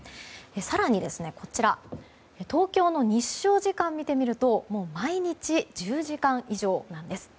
更に、東京の日照時間を見てみると毎日１０時間以上なんです。